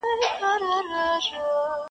له اورنګه یې عبرت نه وو اخیستی-